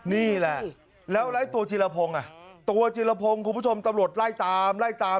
นี่แหละแล้วตัวจิลภงตัวจิลภงคุณผู้ชมตำรวจไล่ตาม